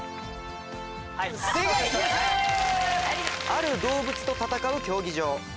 ある動物と闘う競技場。